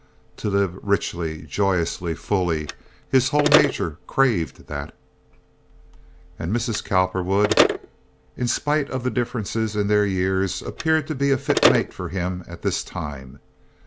To live richly, joyously, fully—his whole nature craved that. And Mrs. Cowperwood, in spite of the difference in their years, appeared to be a fit mate for him at this time.